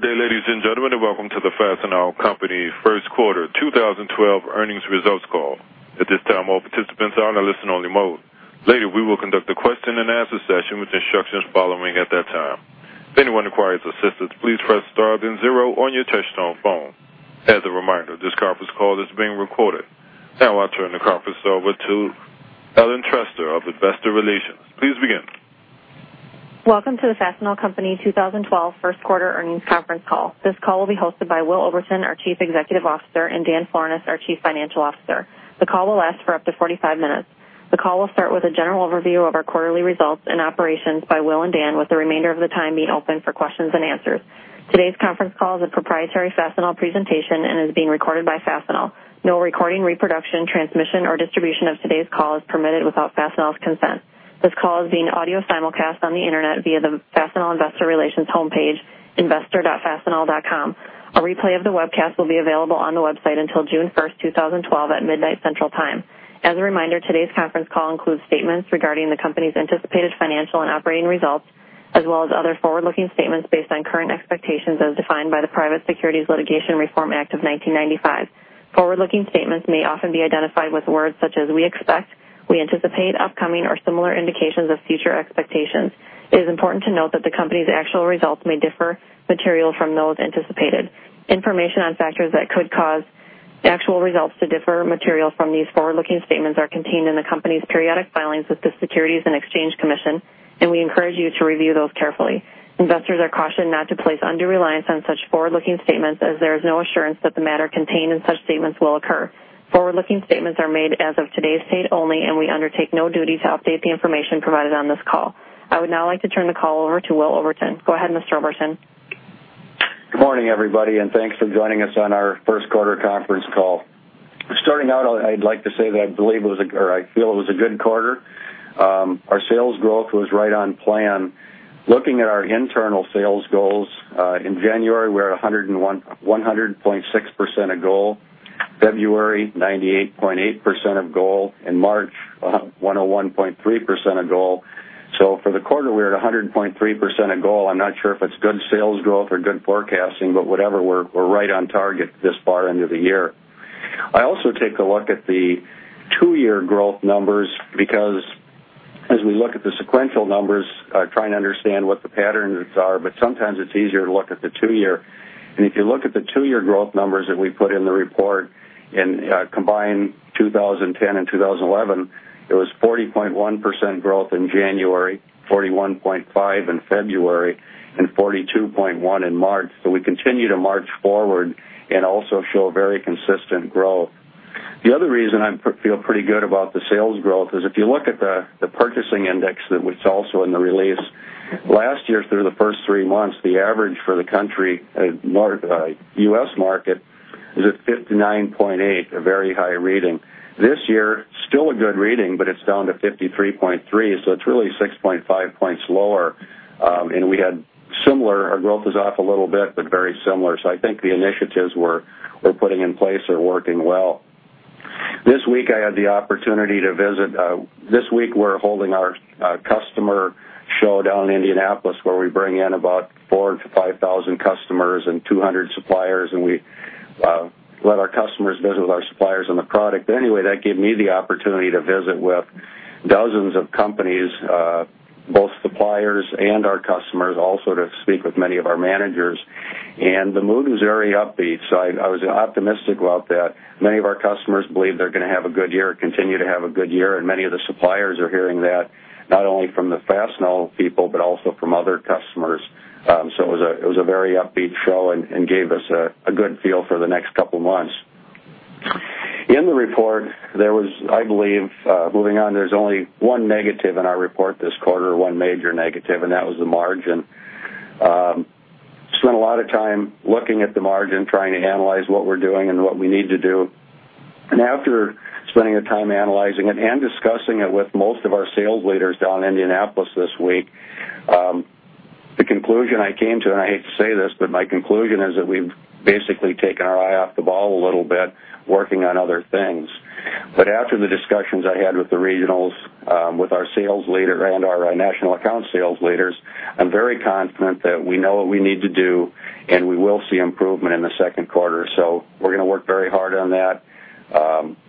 Good day, ladies and gentlemen, and welcome to the Fastenal Company First Quarter 2012 Earnings Results Call. At this time, all participants are in a listen-only mode. Later, we will conduct a question and answer session with instructions following at that time. If anyone requires assistance, please press star then zero on your touch-tone phone. As a reminder, this conference call is being recorded. Now, I'll turn the conference over to Ellen Trester of Investor Relations. Please begin. Welcome to the Fastenal Company 2012 First Quarter Earnings Conference call. This call will be hosted by Will Oberton, our Chief Executive Officer, and Dan Florness, our Chief Financial Officer. The call will last for up to 45 minutes. The call will start with a general overview of our quarterly results and operations by Will and Dan, with the remainder of the time being open for questions and answers. Today's conference call is a proprietary Fastenal presentation and is being recorded by Fastenal. No recording, reproduction, transmission, or distribution of today's call is permitted without Fastenal's consent. This call is being audio simulcast on the internet via the Fastenal Investor Relations homepage, investor.fastenal.com. A replay of the webcast will be available on the website until June 1st, 2012, at midnight Central Time. As a reminder, today's conference call includes statements regarding the company's anticipated financial and operating results, as well as other forward-looking statements based on current expectations as defined by the Private Securities Litigation Reform Act of 1995. Forward-looking statements may often be identified with words such as "we expect," "we anticipate," "upcoming," or similar indications of future expectations. It is important to note that the company's actual results may differ materially from those anticipated. Information on factors that could cause actual results to differ materially from these forward-looking statements are contained in the company's periodic filings with the Securities and Exchange Commission, and we encourage you to review those carefully. Investors are cautioned not to place undue reliance on such forward-looking statements as there is no assurance that the matter contained in such statements will occur. Forward-looking statements are made as of today's date only, and we undertake no duty to update the information provided on this call. I would now like to turn the call over to Will Oberton. Go ahead, Mr. Oberton. Good morning, everybody, and thanks for joining us on our first quarter conference call. Starting out, I'd like to say that I believe it was a, or I feel it was a good quarter. Our sales growth was right on plan. Looking at our internal sales goals, in January, we're at 100.6% of goal, February 98.8% of goal, and March 101.3% of goal. For the quarter, we're at 100.3% of goal. I'm not sure if it's good sales growth or good forecasting, but whatever, we're right on target this far into the year. I also take a look at the two-year growth numbers because, as we look at the sequential numbers, trying to understand what the patterns are, sometimes it's easier to look at the two-year. If you look at the two-year growth numbers that we put in the report and combine 2010 and 2011, it was 40.1% growth in January, 41.5% in February, and 42.1% in March. We continue to march forward and also show very consistent growth. The other reason I feel pretty good about the sales growth is if you look at the Purchasing Managers’ Index, which is also in the release, last year through the first three months, the average for the country, the U.S. market, is at 59.8, a very high reading. This year, still a good reading, but it's down to 53.3, so it's really 6.5 points lower. We had similar, our growth is off a little bit, but very similar. I think the initiatives we're putting in place are working well. This week, I had the opportunity to visit, this week we're holding our customer show down in Indianapolis where we bring in about 4,000-5,000 customers and 200 suppliers, and we let our customers visit with our suppliers and the product. That gave me the opportunity to visit with dozens of companies, both suppliers and our customers, also to speak with many of our managers. The mood was very upbeat, so I was optimistic about that. Many of our customers believe they're going to have a good year, continue to have a good year, and many of the suppliers are hearing that, not only from the Fastenal people, but also from other customers. It was a very upbeat show and gave us a good feel for the next couple of months. In the report, there was, I believe, moving on, there's only one negative in our report this quarter, one major negative, and that was the margin. I spent a lot of time looking at the margin, trying to analyze what we're doing and what we need to do. After spending the time analyzing it and discussing it with most of our sales leaders down in Indianapolis this week, the conclusion I came to, and I hate to say this, but my conclusion is that we've basically taken our eye off the ball a little bit, working on other things. After the discussions I had with the regionals, with our sales leader, and our national account sales leaders, I'm very confident that we know what we need to do, and we will see improvement in the second quarter. We're going to work very hard on that.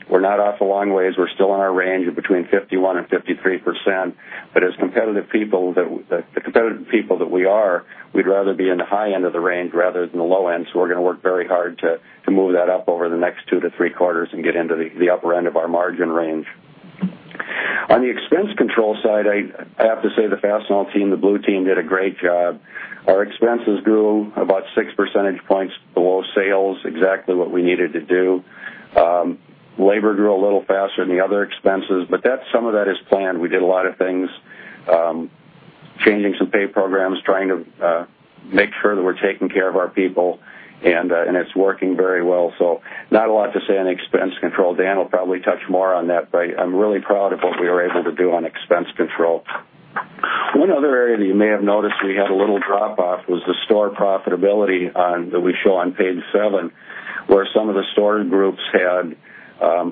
We're not off a long ways. We're still in our range of between 51% and 53%, but as competitive people, the competitive people that we are, we'd rather be in the high end of the range rather than the low end. We're going to work very hard to move that up over the next two to three quarters and get into the upper end of our margin range. On the expense control side, I have to say the Fastenal team, the blue team, did a great job. Our expenses grew about six percentage points below sales, exactly what we needed to do. Labor grew a little faster than the other expenses, but some of that is planned. We did a lot of things, changing some pay programs, trying to make sure that we're taking care of our people, and it's working very well. Not a lot to say on expense control. Dan will probably touch more on that, but I'm really proud of what we were able to do on expense control. One other area that you may have noticed we had a little drop-off was the store profitability that we show on page seven, where some of the store groups had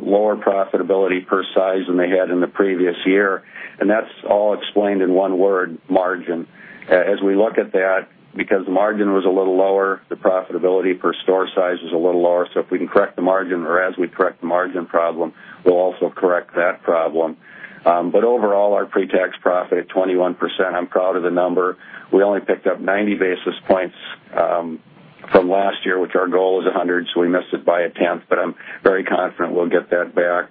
lower profitability per size than they had in the previous year. That's all explained in one word, margin. As we look at that, because the margin was a little lower, the profitability per store size is a little lower. If we can correct the margin, or as we correct the margin problem, we'll also correct that problem. Overall, our pre-tax profit at 21%, I'm proud of the number. We only picked up 90 basis points from last year, which our goal is 100, so we missed it by a tenth, but I'm very confident we'll get that back.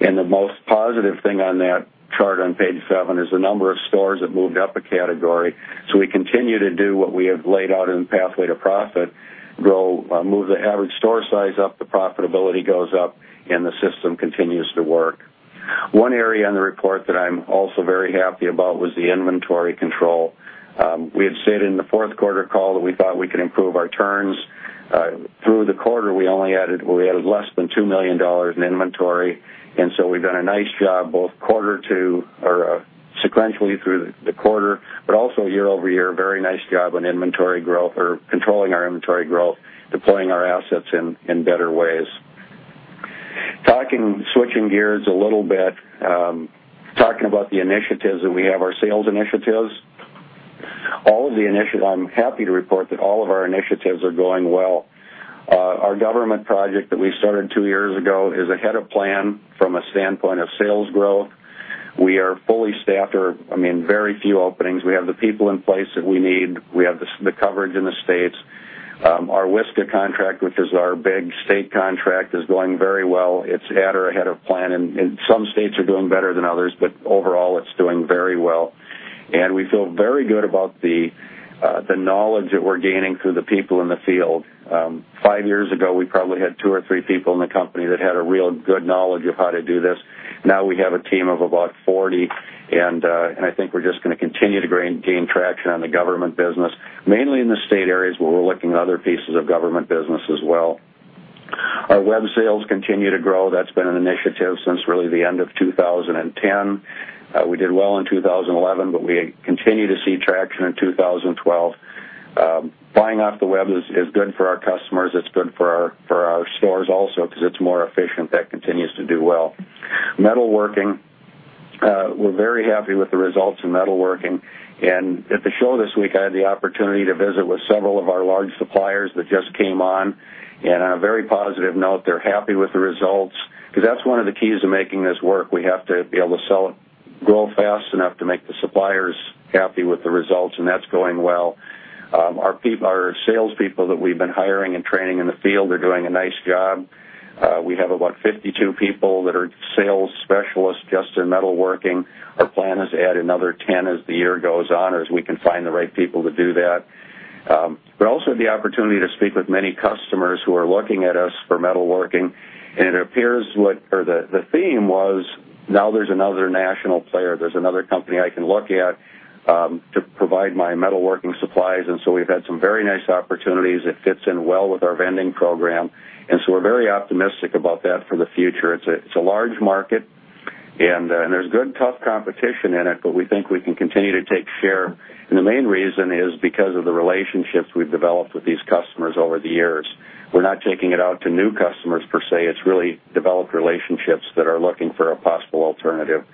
The most positive thing on that chart on page seven is the number of stores that moved up a category. We continue to do what we have laid out in the pathway to profit, grow, move the average store size up, the profitability goes up, and the system continues to work. One area in the report that I'm also very happy about was the inventory control. We had stated in the fourth quarter call that we thought we could improve our turns. Through the quarter, we only added, we added less than $2 million in inventory, and so we've done a nice job both quarter to, or sequentially through the quarter, but also year-over-year, a very nice job on inventory growth, or controlling our inventory growth, deploying our assets in better ways. Switching gears a little bit, talking about the initiatives that we have, our sales initiatives. All of the initiatives, I'm happy to report that all of our initiatives are going well. Our government project that we started two years ago is ahead of plan from a standpoint of sales growth. We are fully staffed, or I mean, very few openings. We have the people in place that we need. We have the coverage in the states. Our WSCA contract, which is our big state contract, is going very well. It's at or ahead of plan, and some states are doing better than others, but overall, it's doing very well. We feel very good about the knowledge that we're gaining through the people in the field. Five years ago, we probably had two or three people in the company that had a real good knowledge of how to do this. Now we have a team of about 40, and I think we're just going to continue to gain traction on the government business, mainly in the state areas, but we're looking at other pieces of government business as well. Our web sales continue to grow. That's been an initiative since really the end of 2010. We did well in 2011, but we continue to see traction in 2012. Buying off the web is good for our customers. It's good for our stores also because it's more efficient. That continues to do well. Metalworking, we're very happy with the results in metalworking. At the show this week, I had the opportunity to visit with several of our large suppliers that just came on, and on a very positive note, they're happy with the results because that's one of the keys to making this work. We have to be able to sell it, grow fast enough to make the suppliers happy with the results, and that's going well. Our salespeople that we've been hiring and training in the field are doing a nice job. We have about 52 people that are sales specialists just in metalworking. Our plan is to add another 10 as the year goes on, or as we can find the right people to do that. We also have the opportunity to speak with many customers who are looking at us for metalworking, and it appears what the theme was, now there's another national player, there's another company I can look at to provide my metalworking supplies. We have had some very nice opportunities. It fits in well with our vending program, and we are very optimistic about that for the future. It's a large market, and there's good tough competition in it, but we think we can continue to take share. The main reason is because of the relationships we've developed with these customers over the years. We're not taking it out to new customers per se. It's really developed relationships that are looking for a possible alternative.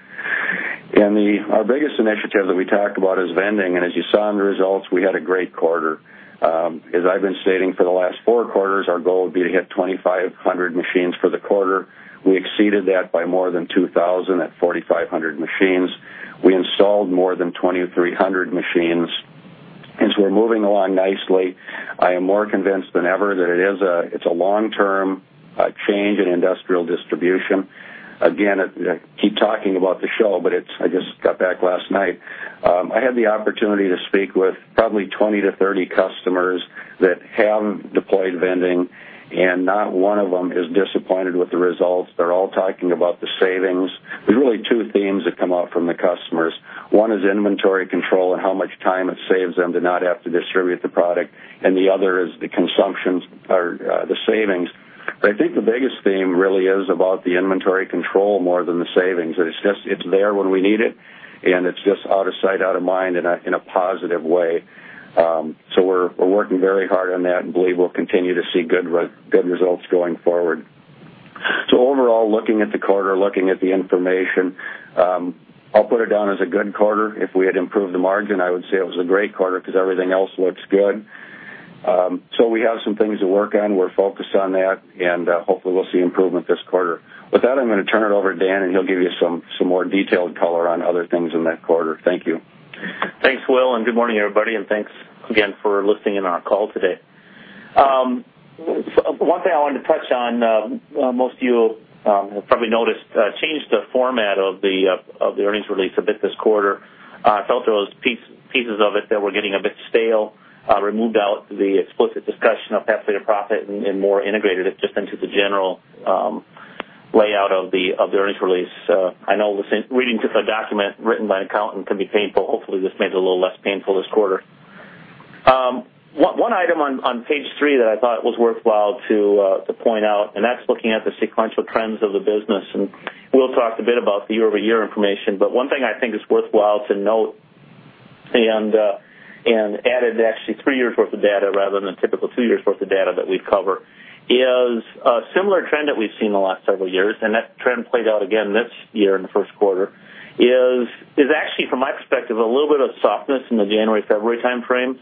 The biggest initiative that we talked about is vending, and as you saw in the results, we had a great quarter. As I've been stating for the last four quarters, our goal would be to hit 2,500 machines for the quarter. We exceeded that by more than 2,000 at 4,500 machines. We installed more than 2,300 machines. We are moving along nicely. I am more convinced than ever that it is a long-term change in industrial distribution. I keep talking about the show, but I just got back last night. I had the opportunity to speak with probably 20-30 customers that have deployed vending, and not one of them is disappointed with the results. They're all talking about the savings. There are really two themes that come out from the customers. One is inventory control and how much time it saves them to not have to distribute the product, and the other is the consumption or the savings. I think the biggest theme really is about the inventory control more than the savings, that it's just, it's there when we need it, and it's just out of sight, out of mind in a positive way. We are working very hard on that and believe we'll continue to see good results going forward. Overall, looking at the quarter, looking at the information, I'll put it down as a good quarter. If we had improved the margin, I would say it was a great quarter because everything else looks good. We have some things to work on. We're focused on that, and hopefully we'll see improvement this quarter. With that, I'm going to turn it over to Dan, and he'll give you some more detail to color on other things in that quarter. Thank you. Thanks, Will, and good morning, everybody, and thanks again for listening in on our call today. One thing I wanted to touch on, most of you probably noticed, changed the format of the earnings release a bit this quarter. I felt there were pieces of it that were getting a bit stale. I removed out the explicit discussion of pathway to profit and more integrated it just into the general layout of the earnings release. I know reading through the document written by an accountant can be painful. Hopefully, this made it a little less painful this quarter. One item on page three that I thought was worthwhile to point out, and that's looking at the sequential trends of the business. Will talked a bit about the year-over-year information, but one thing I think is worthwhile to note, and added actually three years' worth of data rather than the typical two years' worth of data that we cover, is a similar trend that we've seen the last several years, and that trend played out again this year in the first quarter, is actually, from my perspective, a little bit of softness in the January-February timeframe,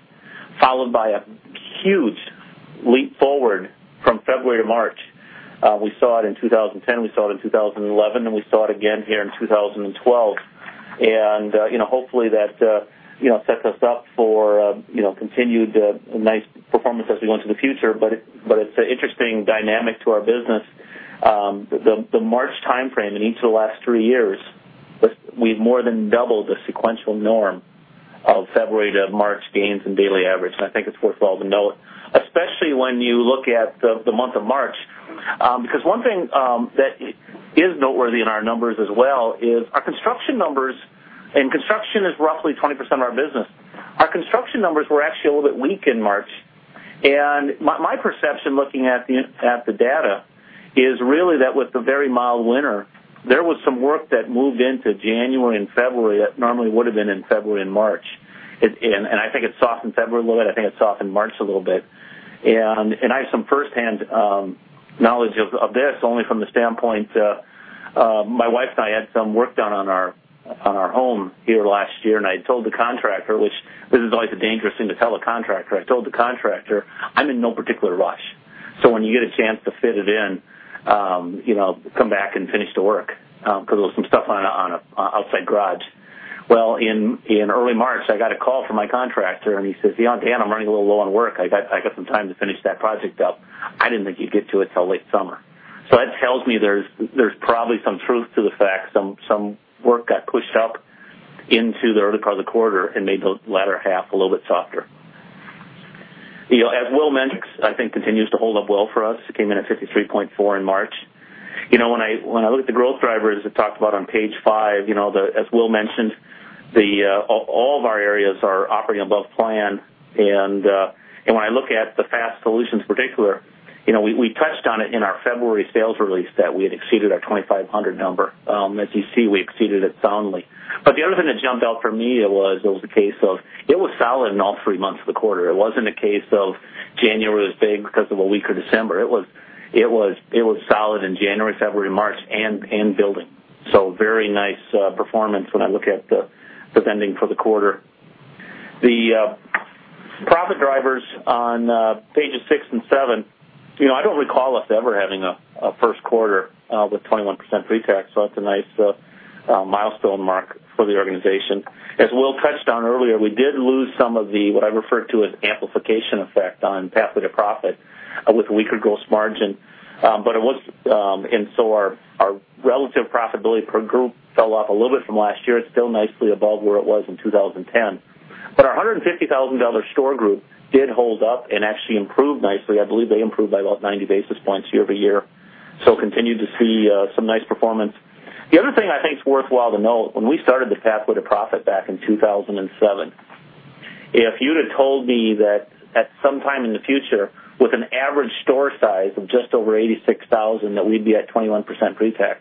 followed by a huge leap forward from February to March. We saw it in 2010, we saw it in 2011, and we saw it again here in 2012. Hopefully, that sets us up for continued nice performance as we go into the future, but it's an interesting dynamic to our business. The March timeframe in each of the last three years, we've more than doubled the sequential norm of February to March gains in daily average, and I think it's worthwhile to note, especially when you look at the month of March. One thing that is noteworthy in our numbers as well is our construction numbers, and construction is roughly 20% of our business. Our construction numbers were actually a little bit weak in March. My perception, looking at the data, is really that with the very mild winter, there was some work that moved into January and February that normally would have been in February and March. I think it's soft in February a little bit. I think it's soft in March a little bit. I have some firsthand knowledge of this, only from the standpoint, my wife and I had some work done on our home here last year, and I had told the contractor, which this is always a dangerous thing to tell a contractor. I told the contractor, "I'm in no particular rush. So when you get a chance to fit it in, come back and finish the work," because there was some stuff on an outside garage. In early March, I got a call from my contractor, and he says, "Dan, I'm running a little low on work. I got some time to finish that project up. I didn't think you'd get to it till late summer." That tells me there's probably some truth to the fact some work got pushed up into the early part of the quarter and made the latter half a little bit softer. As Will mentioned, I think continues to hold up well for us. It came in at 53.4% in March. When I look at the growth drivers, it talked about on page five, as Will mentioned, all of our areas are operating above plan. When I look at the Fast Solutions in particular, we touched on it in our February sales release that we had exceeded our 2,500 number. As you see, we exceeded it soundly. The other thing that jumped out for me was it was a case of, it was solid in all three months of the quarter. It wasn't a case of January was big because of a weaker December. It was solid in January, February, March, and building. Very nice performance when I look at the vending for the quarter. The profit drivers on pages six and seven, I don't recall us ever having a first quarter with 21% pre-tax, so that's a nice milestone mark for the organization. As Will touched on earlier, we did lose some of the, what I referred to as, amplification effect on pathway to profit with a weaker gross margin. Our relative profitability per group fell off a little bit from last year. It's still nicely above where it was in 2010. Our $150,000 store group did hold up and actually improved nicely. I believe they improved by about 90 basis points year over year. Continued to see some nice performance. The other thing I think is worthwhile to note, when we started the pathway to profit back in 2007, if you had told me that at some time in the future, with an average store size of just over $86,000, that we'd be at 21% pre-tax,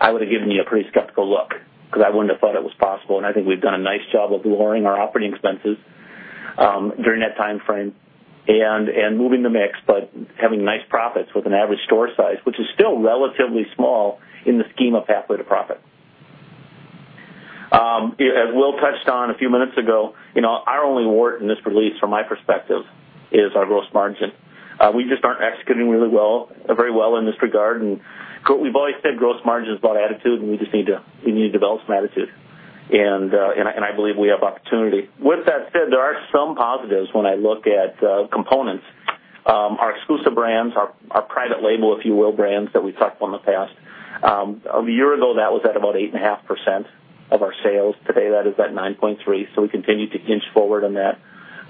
I would have given you a pretty skeptical look because I wouldn't have thought it was possible. I think we've done a nice job of lowering our operating expenses during that timeframe and moving the mix, but having nice profits with an average store size, which is still relatively small in the scheme of pathway to profit. As Will touched on a few minutes ago, our only warrant in this release, from my perspective, is our gross margin. We just aren't executing really well, very well in this regard. We've always said gross margin is about attitude, and we just need to develop some attitude. I believe we have opportunity. With that said, there are some positives when I look at components. Our exclusive brands, our private label, if you will, brands that we've talked about in the past, a year ago, that was at about 8.5% of our sales. Today, that is at 9.3%. We continue to inch forward on that,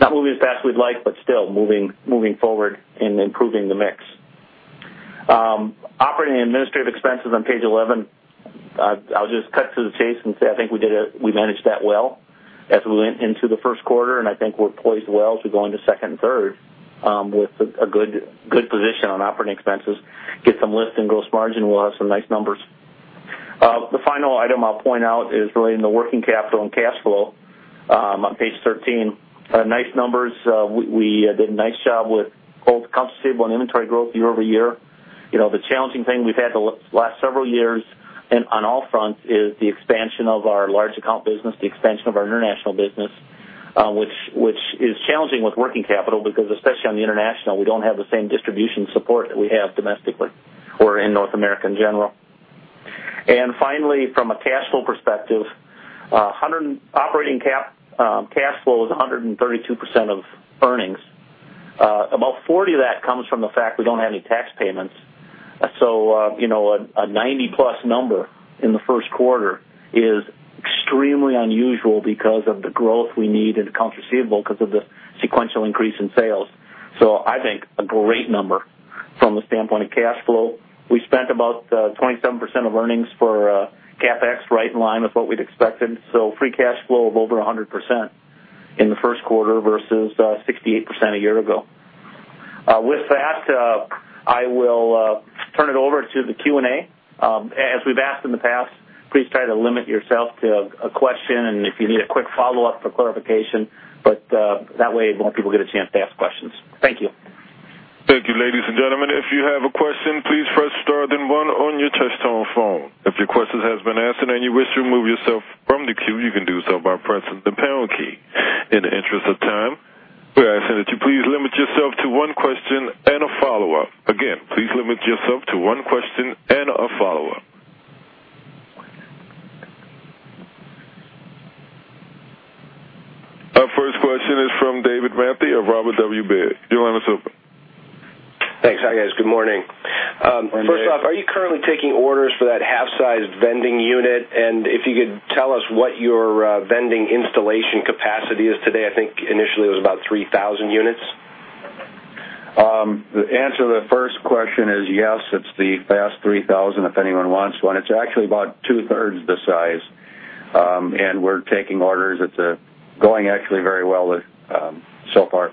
not moving as fast as we'd like, but still moving forward and improving the mix. Operating and administrative expenses on page 11, I'll just cut to the chase and say I think we did it, we managed that well as we went into the first quarter, and I think we're poised well as we go into second and third with a good position on operating expenses. Get some lift in gross margin, we'll have some nice numbers. The final item I'll point out is really in the working caps on cash flow on page 13. Nice numbers. We did a nice job with both accounts table and inventory growth year over year. The challenging thing we've had the last several years on all fronts is the expansion of our large account business, the expansion of our international business, which is challenging with working capital because, especially on the international, we don't have the same distribution support that we have domestically or in North America in general. Finally, from a cash flow perspective, operating cap cash flow is 132% of earnings. About 40% of that comes from the fact we don't have any tax payments. A 90+ number in the first quarter is extremely unusual because of the growth we need in accounts receivable because of the sequential increase in sales. I think a great number. From the standpoint of cash flow, we spent about 27% of earnings for CapEx right in line with what we'd expected. Free cash flow of over 100% in the first quarter versus 68% a year ago. With that, I will turn it over to the Q&A. As we've asked in the past, please try to limit yourself to a question, and if you need a quick follow-up for clarification, but that way more people get a chance to ask questions. Thank you. Thank you, ladies and gentlemen. If you have a question, please press star then one on your Touchstone phone. If your question has been answered and you wish to remove yourself from the queue, you can do so by pressing the pound key. In the interest of time, we're asking that you please limit yourself to one question and a follow-up. Again, please limit yourself to one question and a follow-up. Our first question is from David Manthey of Robert W. Baird. You're lining us up. Thanks. Hi, guys. Good morning. First off, are you currently taking orders for that half-sized vending unit? If you could tell us what your vending installation capacity is today, I think initially it was about 3,000 units. The answer to the first question is yes, it's the Fast 3000 if anyone wants one. It's actually about two-thirds of the size, and we're taking orders. It's going actually very well so far.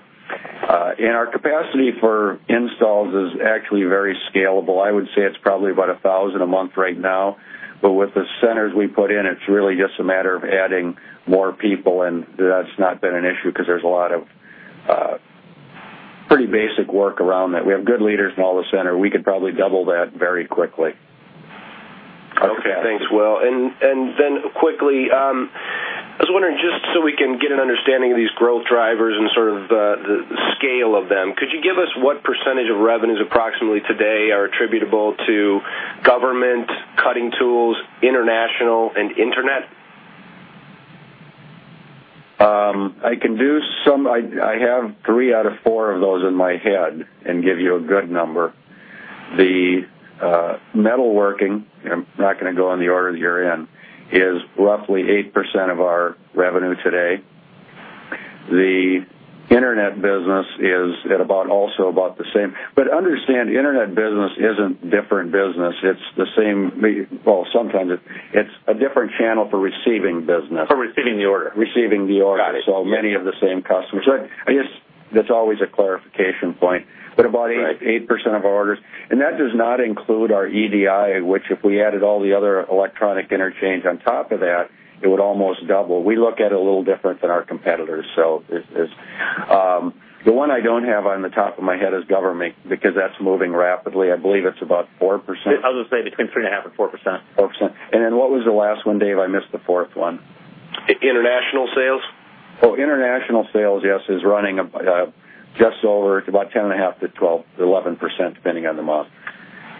Our capacity for installs is actually very scalable. I would say it's probably about 1,000 a month right now. With the centers we put in, it's really just a matter of adding more people, and that's not been an issue because there's a lot of pretty basic work around that. We have good leaders in all the centers. We could probably double that very quickly. Okay. Thanks, Will. Quickly, I was wondering, just so we can get an understanding of these growth drivers and sort of the scale of them, could you give us what % of revenues approximately today are attributable to government, cutting tools, international, and internet? I can do some. I have three out of four of those in my head and give you a good number. The metalworking, I'm not going to go in the order that you're in, is roughly 8% of our revenue today. The internet business is at about also about the same. Understand, internet business isn't different business. It's the same, sometimes it's a different channel for receiving business. For receiving the order. Receiving the order. Got it. Many of the same customers. I guess that's always a clarification point. About 8% of our orders, and that does not include our EDI, which if we added all the other electronic interchange on top of that, it would almost double. We look at it a little different than our competitors. The one I don't have on the top of my head is government because that's moving rapidly. I believe it's about 4%. I was going to say between 3.5% and 4%. 4%. What was the last one, Dave? I missed the fourth one. International sales. Oh, international sales, yes, is running just over about 10.5% to 12% to 11%, depending on the model.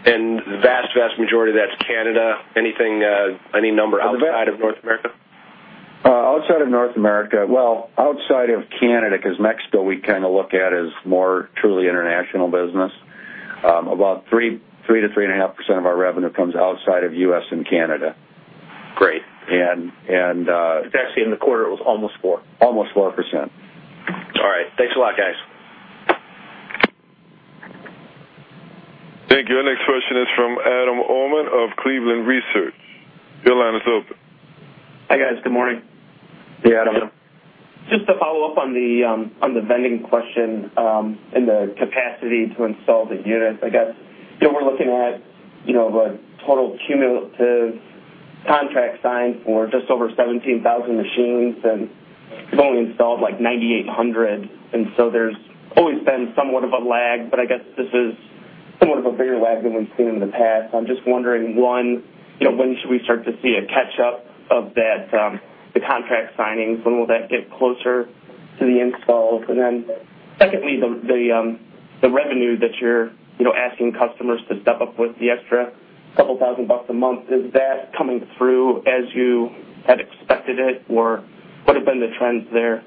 The vast, vast majority of that's Canada. Anything, any number outside of North America? Outside of North America, outside of Canada, because Mexico we kind of look at as more truly international business. About 3%-3.5% of our revenue comes outside of U.S. and Canada. Great. And. It's actually in the quarter, it was almost 4%. Almost 4%. All right. Thanks a lot, guys. Thank you. Our next question is from Adam Ullman of Cleveland Research. Your line is open. Hi, guys. Good morning. Hey, Adam. Just to follow up on the vending question and the capacity to install the unit, I guess, you know, we're looking at, you know, the total cumulative contract signed, we're just over 17,000 machines, and we've only installed like 9,800. There's always been somewhat of a lag, but I guess this is somewhat of a bigger lag than we've seen in the past. I'm just wondering, one, you know, when should we start to see a catch-up of that, the contract signings? When will that get closer to the install? Secondly, the revenue that you're, you know, asking customers to step up with the extra couple thousand bucks a month, is that coming through as you had expected it, or what have been the trends there?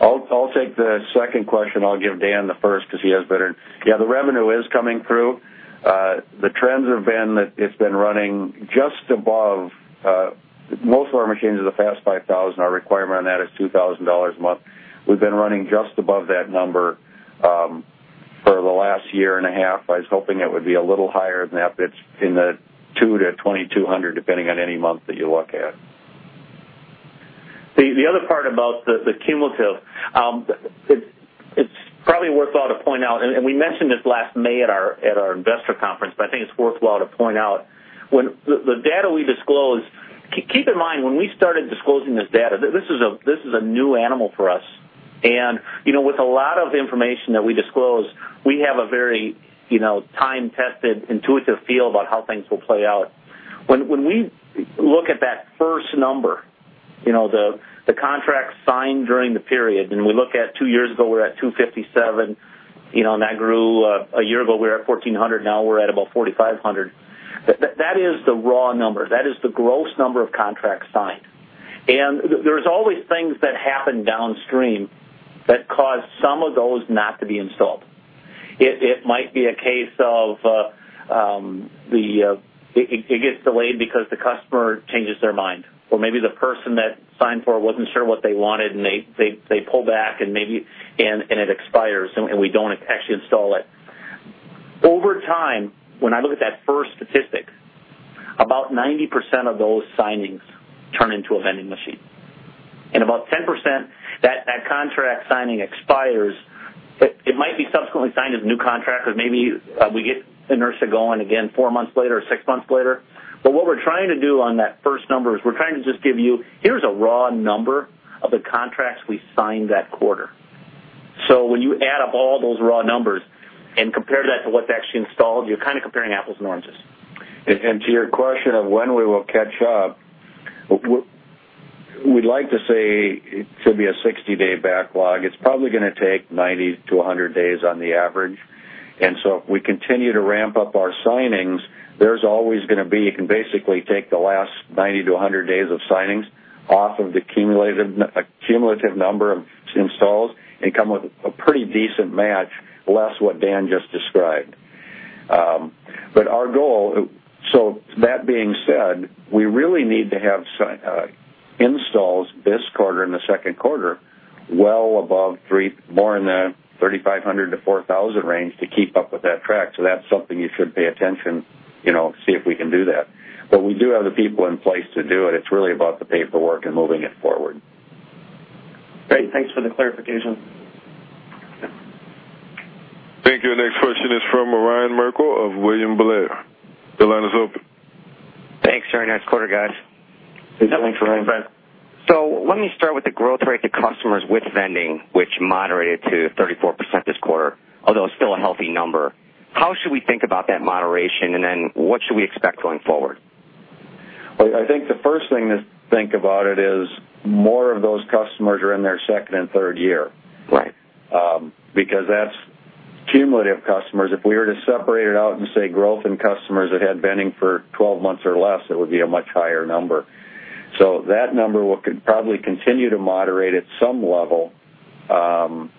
I'll take the second question. I'll give Dan the first because he has better, yeah, the revenue is coming through. The trends have been that it's been running just above, most of our machines are the Fast 5000. Our requirement on that is $2,000 a month. We've been running just above that number for the last year and a half. I was hoping it would be a little higher than that, but it's in the $2,000-$2,200, depending on any month that you look at. The other part about the cumulative, it's probably worthwhile to point out, and we mentioned this last May at our investor conference, but I think it's worthwhile to point out when the data we disclose, keep in mind when we started disclosing this data, this is a new animal for us. With a lot of information that we disclose, we have a very, you know, time-tested, intuitive feel about how things will play out. When we look at that first number, the contract signed during the period, and we look at two years ago, we're at 257, and that grew a year ago, we were at 1,400, now we're at about 4,500. That is the raw number. That is the gross number of contracts signed. There's always things that happen downstream that cause some of those not to be installed. It might be a case of it gets delayed because the customer changes their mind, or maybe the person that signed for it wasn't sure what they wanted, and they pull back, and maybe it expires, and we don't actually install it. Over time, when I look at that first statistic, about 90% of those signings turn into a vending machine. About 10% of that contract signing expires. It might be subsequently signed as a new contract because maybe we get an urgent going again four months later or six months later. What we're trying to do on that first number is we're trying to just give you, here's a raw number of the contracts we signed that quarter. When you add up all those raw numbers and compare that to what's actually installed, you're kind of comparing apples and oranges. To your question of when we will catch up, we'd like to say it should be a 60-day backlog. It's probably going to take 90-100 days on the average. If we continue to ramp up our signings, there's always going to be, you can basically take the last 90-100 days of signings off of the cumulative number of installs and come with a pretty decent match, less what Dan just described. Our goal, that being said, we really need to have installs this quarter and the second quarter well above three, more in the 3,500-4,000 range to keep up with that track. That's something you should pay attention to, see if we can do that. We do have the people in place to do it. It's really about the paperwork and moving it forward. Great. Thanks for the clarification. Thank you. The next question is from Ryan Merkel of William Blair. The line is open. Thanks, very nice quarter, guys. Thanks, Orion. Let me start with the growth rate to customers with vending, which moderated to 34% this quarter, although it's still a healthy number. How should we think about that moderation, and what should we expect going forward? I think the first thing to think about is more of those customers are in their second and third year. Right. Because that's cumulative customers. If we were to separate it out and say growth in customers that had vending for 12 months or less, it would be a much higher number. That number could probably continue to moderate at some level, but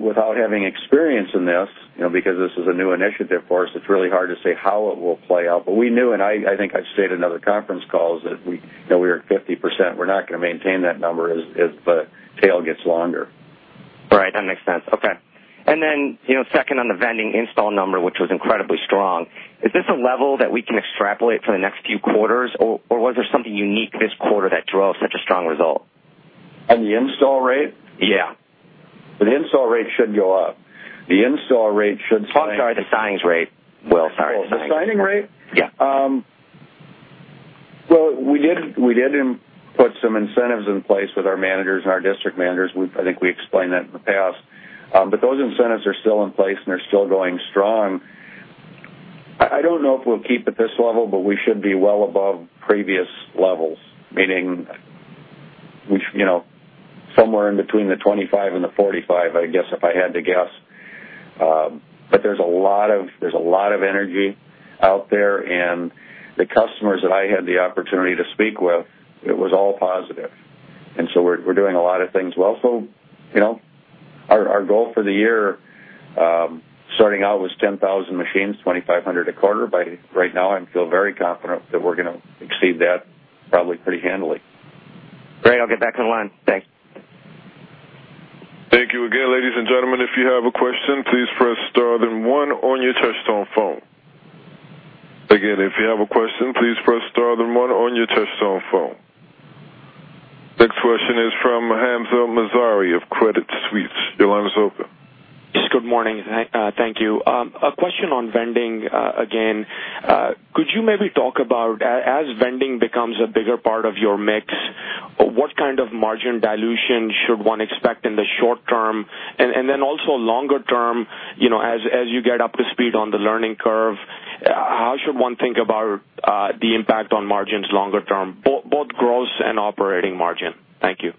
without having experience in this, because this is a new initiative for us, it's really hard to say how it will play out. We knew, and I think I've stated in other conference calls that we are at 50%. We're not going to maintain that number as the tail gets longer. Right. That makes sense. Okay. On the vending install number, which was incredibly strong, is this a level that we can extrapolate for the next few quarters, or was there something unique this quarter that drove such a strong result? On the install rate? Yeah. The install rate should go up. The install rate should. Oh, I'm sorry, the signings rate. I'm sorry. The signing rate? Yeah. We did put some incentives in place with our managers and our district managers. I think we explained that in the past. Those incentives are still in place, and they're still going strong. I don't know if we'll keep at this level, but we should be well above previous levels, meaning, you know, somewhere in between the 25 and the 45, I guess, if I had to guess. There's a lot of energy out there, and the customers that I had the opportunity to speak with, it was all positive. We're doing a lot of things well. Our goal for the year starting out was 10,000 machines, 2,500 a quarter. Right now, I feel very confident that we're going to exceed that probably pretty handily. Great. I'll get back to the line. Thanks. Thank you again, ladies and gentlemen. If you have a question, please press star then one on your Touch-Tone phone. Again, if you have a question, please press star then one on your Touch-Tone phone. Next question is from Hamzah Mazari of Credit Suisse. Your line is open. Good morning. Thank you. A question on vending again. Could you maybe talk about, as vending becomes a bigger part of your mix, what kind of margin dilution should one expect in the short term? Also, longer term, you know, as you get up to speed on the learning curve, how should one think about the impact on margins longer term, both gross and operating margin? Thank you.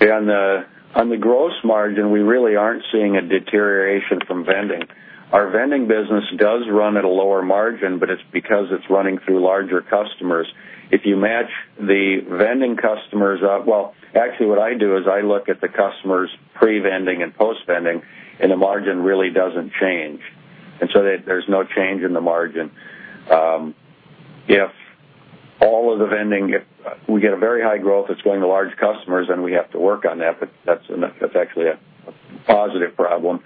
Yeah. On the gross margin, we really aren't seeing a deterioration from vending. Our vending business does run at a lower margin, but it's because it's running through larger customers. If you match the vending customers up, actually what I do is I look at the customers pre-vending and post-vending, and the margin really doesn't change. There is no change in the margin. If all of the vending, we get a very high growth that's going to large customers, we have to work on that, but that's actually a positive problem.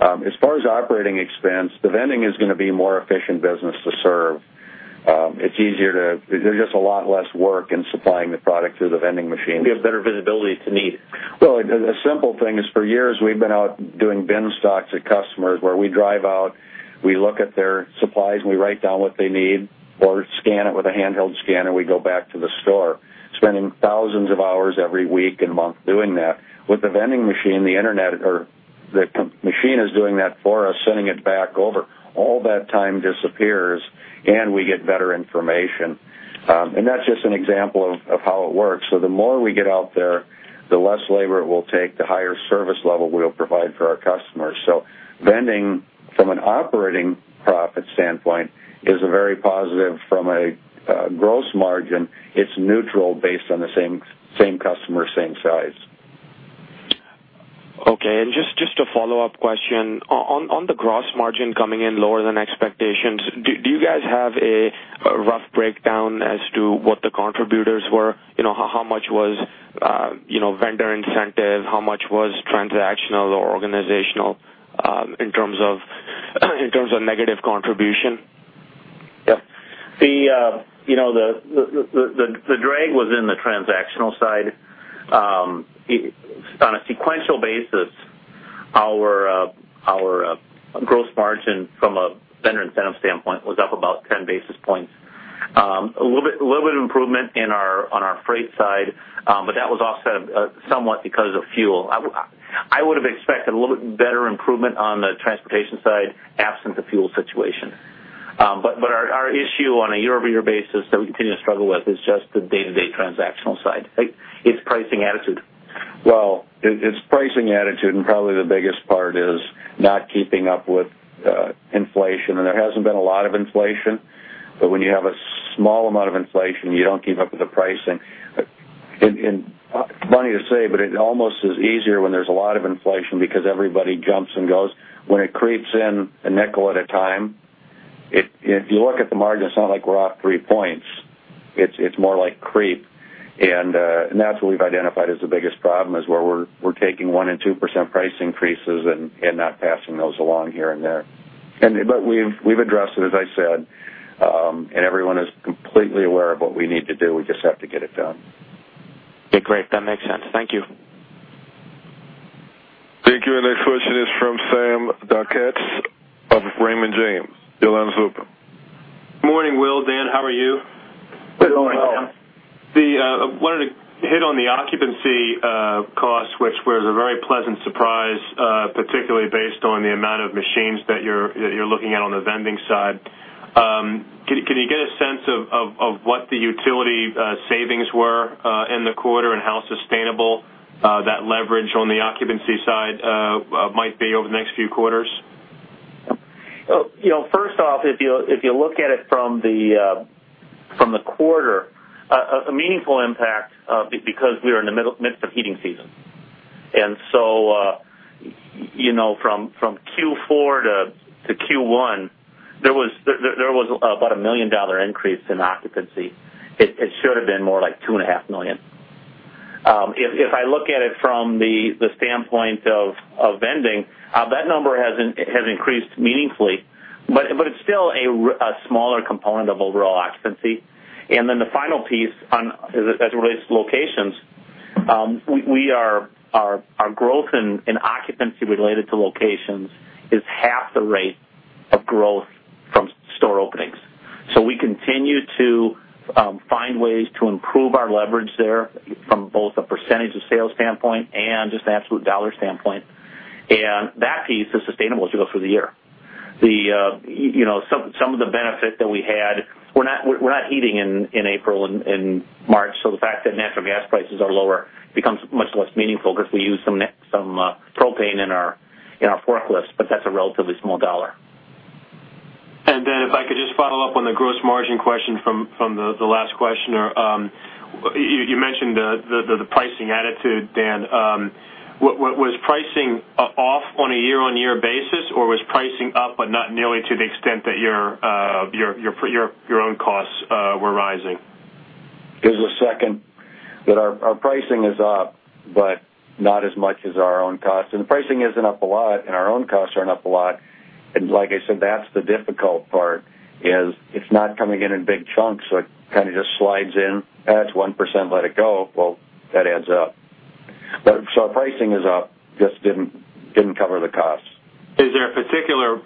As far as operating expense, the vending is going to be a more efficient business to serve. It's easier to, there's just a lot less work in supplying the product to the vending machines. You have better visibility to need. For years, we've been out doing bin stocks at customers where we drive out, we look at their supplies, and we write down what they need, or scan it with a handheld scanner, and we go back to the store, spending thousands of hours every week and month doing that. With the vending machine, the internet, or the machine is doing that for us, sending it back over. All that time disappears, and we get better information. That's just an example of how it works. The more we get out there, the less labor it will take, the higher service level we'll provide for our customers. Vending from an operating profit standpoint is very positive. From a gross margin, it's neutral based on the same customer, same size. Okay. Just a follow-up question. On the gross margin coming in lower than expectations, do you guys have a rough breakdown as to what the contributors were? How much was, you know, vendor incentive? How much was transactional or organizational in terms of negative contribution? Yeah. See, you know, the drag was in the transactional side. On a sequential basis, our gross margin from a vendor incentive standpoint was up about 10 basis points. A little bit of improvement on our freight side, but that was also somewhat because of fuel. I would have expected a little bit better improvement on the transportation side absent the fuel situation. Our issue on a year-over-year basis that we continue to struggle with is just the day-to-day transactional side. It's pricing attitude. It's pricing attitude, and probably the biggest part is not keeping up with inflation. There hasn't been a lot of inflation, but when you have a small amount of inflation, you don't keep up with the pricing. Funny to say, but it almost is easier when there's a lot of inflation because everybody jumps and goes. When it creeps in a nickel at a time, if you look at the margin, it's not like we're up 3 points. It's more like creep. That's what we've identified as the biggest problem is where we're taking 1% and 2% price increases and not passing those along here and there. We've addressed it, as I said, and everyone is completely aware of what we need to do. We just have to get it done. Okay. Great. That makes sense. Thank you. Thank you. Our next question is from Sam Darkatsh of Raymond James. Your line is open. Morning, Will. Dan, how are you? Pretty long. Hello. I wanted to hit on the occupancy cost, which was a very pleasant surprise, particularly based on the amount of machines that you're looking at on the vending side. Can you get a sense of what the utility savings were in the quarter and how sustainable that leverage on the occupancy side might be over the next few quarters? First off, if you look at it from the quarter, a meaningful impact is because we were in the midst of heating season. From Q4-Q1, there was about a $1 million increase in occupancy. It should have been more like $2.5 million. If I look at it from the standpoint of vending, that number has increased meaningfully, but it's still a smaller component of overall occupancy. The final piece as it relates to locations, our growth in occupancy related to locations is half the rate of growth from store openings. We continue to find ways to improve our leverage there from both a percentage of sales standpoint and just an absolute dollar standpoint. That piece is sustainable as you go through the year. Some of the benefit that we had, we're not heating in April and March, so the fact that natural gas prices are lower becomes much less meaningful because we use some propane in our forklifts, but that's a relatively small dollar. If I could just follow up on the gross margin question from the last questioner. You mentioned the pricing attitude, Dan. Was pricing off on a year-on-year basis, or was pricing up but not nearly to the extent that your own costs were rising? Here's the second. Our pricing is up, but not as much as our own costs. The pricing isn't up a lot, and our own costs aren't up a lot. Like I said, that's the difficult part. It's not coming in in big chunks, so it kind of just slides in. Adds 1%, let it go. That adds up. Our pricing is up, just didn't cover the costs. Is there a particular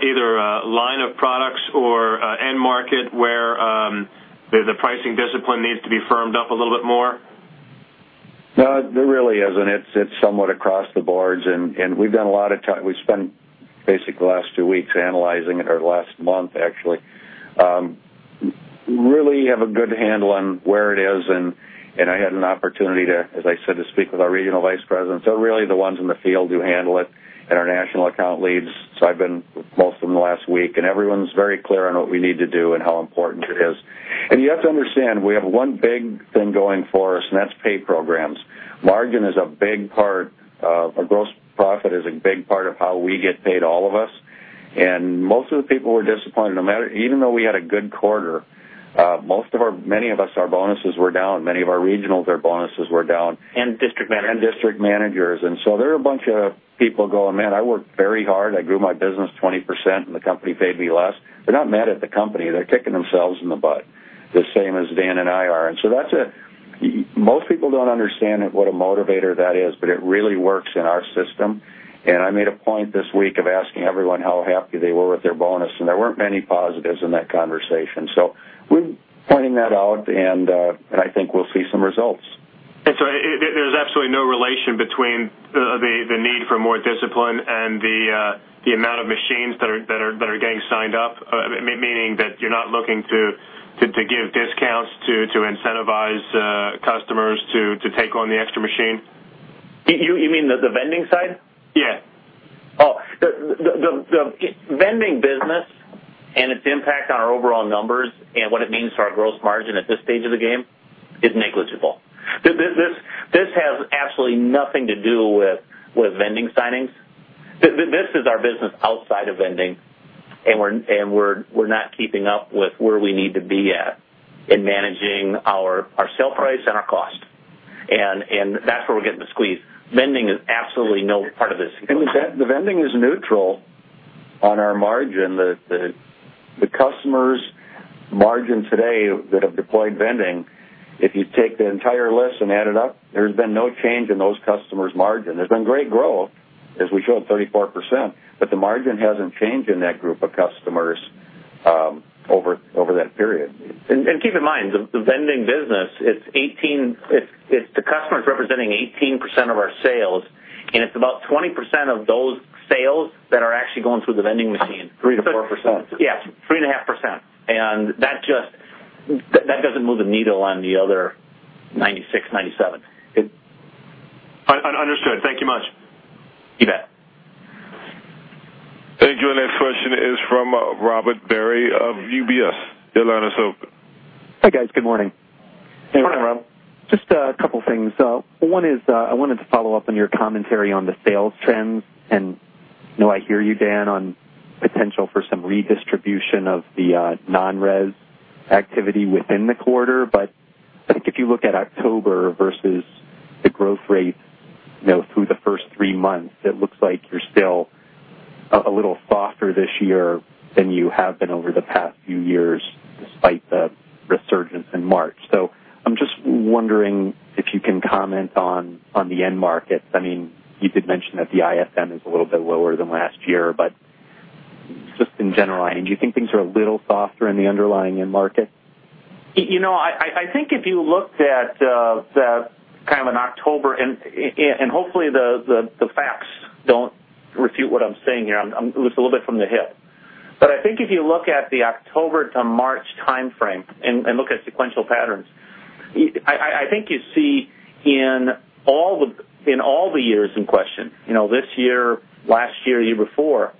either line of products or end market where the pricing discipline needs to be firmed up a little bit more? There really isn't. It's somewhat across the boards. We've done a lot of time, we spent basically the last two weeks analyzing it, or last month, actually. We really have a good handle on where it is. I had an opportunity to, as I said, to speak with our Regional Vice Presidents. They're really the ones in the field who handle it, and our national account leads. I've been with most of them the last week, and everyone's very clear on what we need to do and how important it is. You have to understand, we have one big thing going for us, and that's pay programs. Margin is a big part, or gross margin is a big part of how we get paid, all of us. Most of the people were disappointed, no matter, even though we had a good quarter, many of us, our bonuses were down. Many of our regionals, their bonuses were down. District Managers. District managers and so there are a bunch of people going, "Man, I worked very hard. I grew my business 20%, and the company paid me less." They're not mad at the company. They're kicking themselves in the butt, the same as Dan and I are. Most people don't understand what a motivator that is, but it really works in our system. I made a point this week of asking everyone how happy they were with their bonus, and there weren't many positives in that conversation. We're finding that out, and I think we'll see some results. There is absolutely no relation between the need for more discipline and the amount of machines that are getting signed up, meaning that you're not looking to give discounts to incentivize customers to take on the extra machine? You mean the vending side? Yeah. Oh, the vending business and its impact on our overall numbers and what it means to our gross margin at this stage of the game is negligible. This has absolutely nothing to do with vending signings. This is our business outside of vending, and we're not keeping up with where we need to be at in managing our sale price and our cost. That's where we're getting the squeeze. Vending is absolutely no part of this. The vending is neutral on our margin. The customers' margin today that have deployed vending, if you take the entire list and add it up, there's been no change in those customers' margin. There's been great growth, as we showed, 34%, but the margin hasn't changed in that group of customers over that period. Keep in mind, the vending business, it's the customers representing 18% of our sales, and it's about 20% of those sales that are actually going through the vending machine. 3%-4%. Yes, 3.5%. That just doesn't move the needle on the other 96, 97. Understood. Thank you very much. You bet. Thank you. Our next question is from Robert Barry of UBS. Your line is open. Hey, guys. Good morning. Good morning, Rob. Just a couple of things. One is I wanted to follow up on your commentary on the sales trends. I hear you, Dan, on the potential for some redistribution of the non-res activity within the quarter. If you look at October versus the growth rate through the first three months, it looks like you're still a little softer this year than you have been over the past few years despite the resurgence in March. I'm just wondering if you can comment on the end markets. You did mention that the IFM is a little bit lower than last year, but just in general, do you think things are a little softer in the underlying end market? I think if you looked at kind of an October, and hopefully the facts don't refute what I'm saying here, I'm a little bit from the hip. I think if you look at the October to March timeframe and look at sequential patterns, you see in all the years in question, this year, last year, year before,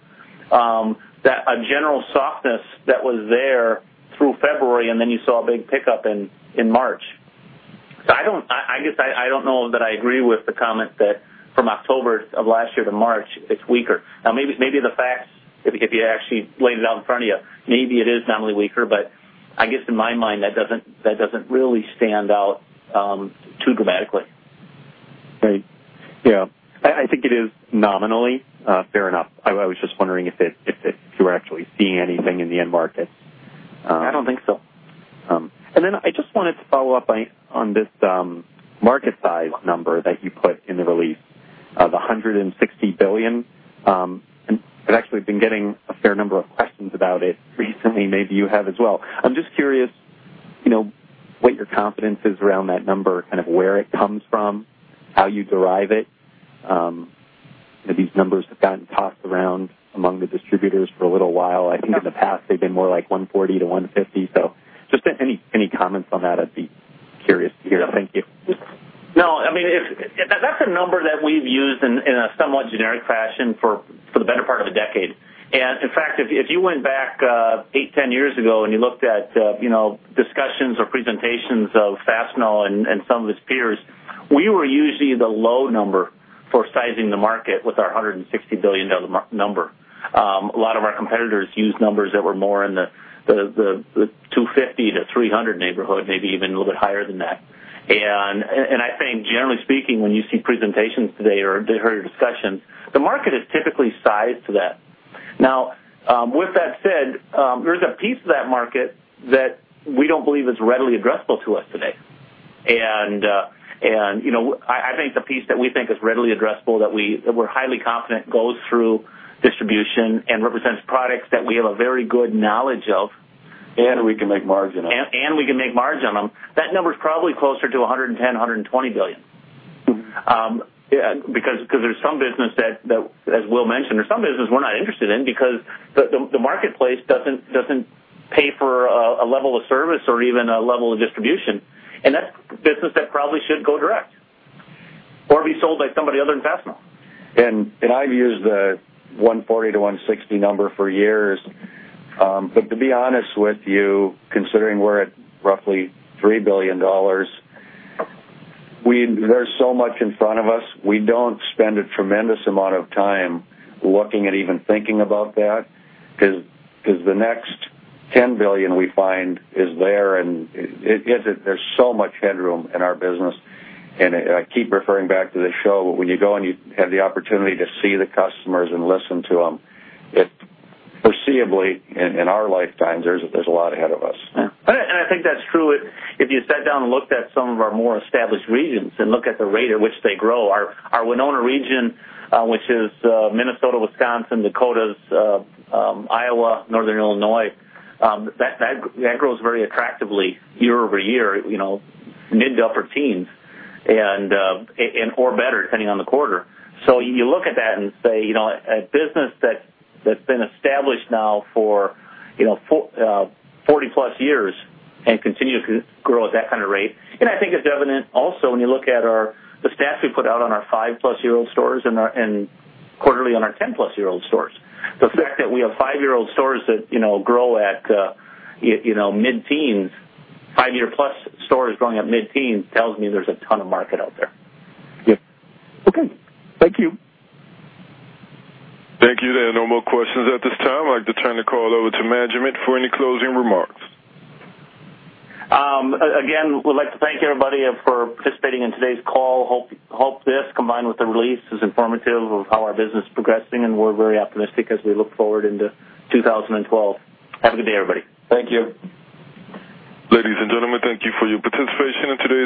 that a general softness was there through February, and then you saw a big pickup in March. I don't know that I agree with the comment that from October of last year to March, it's weaker. Maybe the facts, if you actually laid it out in front of you, maybe it is nominally weaker, but in my mind, that doesn't really stand out too dramatically. Right. Yeah, I think it is nominally fair enough. I was just wondering if you were actually seeing anything in the end market. I don't think so. I just wanted to follow up on this market size number that you put in the release, the $160 billion. I've actually been getting a fair number of questions about it recently. Maybe you have as well. I'm just curious what your confidence is around that number, kind of where it comes from, how you derive it. These numbers have gotten tossed around among the distributors for a little while. I think in the past, they've been more like $140 billion-$150 billion. Any comments on that, I'd be curious to hear. Thank you. No, I mean, that's a number that we've used in a somewhat generic fashion for the better part of a decade. In fact, if you went back 8, 10 years ago and you looked at discussions or presentations of Fastenal and some of its peers, we were usually the low number for sizing the market with our $160 billion number. A lot of our competitors used numbers that were more in the $250 billion-$300 billion neighborhood, maybe even a little bit higher than that. I think generally speaking, when you see presentations today or you hear discussions, the market is typically sized for that. Now, with that said, there's a piece of that market that we don't believe is readily addressable to us today. I think the piece that we think is readily addressable, that we're highly confident goes through distribution and represents products that we have a very good knowledge of. We can make margin on them. We can make margin on them. That number is probably closer to $110 billion, $120 billion because there's some business that, as Will mentioned, there's some business we're not interested in because the marketplace doesn't pay for a level of service or even a level of distribution. That's business that probably should go direct or be sold by somebody other than Fastenal. I've used the 140-160 number for years. To be honest with you, considering we're at roughly $3 billion, there's so much in front of us. We don't spend a tremendous amount of time looking at or even thinking about that because the next $10 billion we find is there, and there's so much headroom in our business. I keep referring back to the show, but when you go and you have the opportunity to see the customers and listen to them, it's foreseeably in our lifetimes, there's a lot ahead of us. I think that's true. If you sat down and looked at some of our more established regions and looked at the rate at which they grow, our Winona region, which is Minnesota, Wisconsin, Dakota, Iowa, Northern Illinois, that grows very attractively year over year, mid to upper teens, and or better, depending on the quarter. You look at that and say, a business that's been established now for 40+ years and continues to grow at that kind of rate. I think it's evident also when you look at the stats we put out on our 5+ year-old stores and quarterly on our 10+ year-old stores. The fact that we have 5-year-old stores that grow at mid-teens, 5-year-plus stores growing at mid-teens tells me there's a ton of market out there. Yep. Okay, thank you. Thank you, Dan. No more questions at this time. I'd like to turn the call over to management for any closing remarks. Again, we'd like to thank everybody for participating in today's call. Hope this, combined with the release, is informative of how our business is progressing, and we're very optimistic as we look forward into 2012. Have a good day, everybody. Thank you. Ladies and gentlemen, thank you for your participation today.